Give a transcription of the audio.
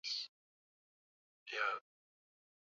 Viungo vya ndani kugeuka vyekundu pamoja na damu juu yake